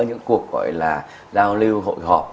những cuộc gọi là giao lưu hội họp